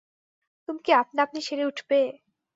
তুমি কি আপনা-আপনি সেরে উঠবে?